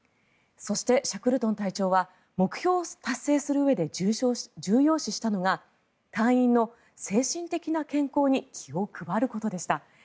そして、シャクルトン隊長は目標を達成するうえで重要視したのが隊員の精神的な健康に気を配ることでした。